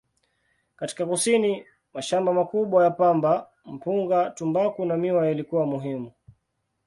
Katika kusini, mashamba makubwa ya pamba, mpunga, tumbaku na miwa yalikuwa muhimu.